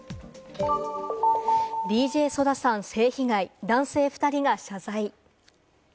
ＤＪＳＯＤＡさん、性被害、男性２人が謝罪。